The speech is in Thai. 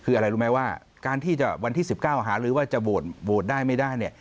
คืออะไรรู้ไหมว่าการที่จะวันที่๑๙หาลือว่าจะโหวตโหวตได้ไม่ได้เนี่ย